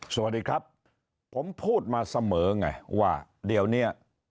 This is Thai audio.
สวัสดีครับผมพูดมาเสมอไงว่าเดี๋ยวนี้